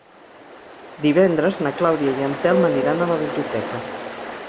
Divendres na Clàudia i en Telm aniran a la biblioteca.